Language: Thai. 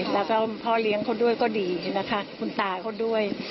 แล้วก็พ่อเลี้ยงเขาก็ดีคุณตาเขาก็ดี